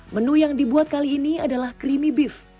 menu yang dibuat kali ini adalah creamy beef